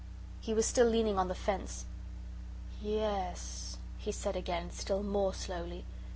He was still leaning on the fence. "Yes," he said again, still more slowly.